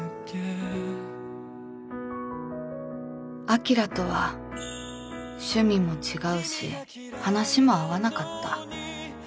晶とは趣味も違うし話も合わなかった